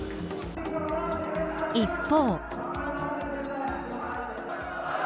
一方。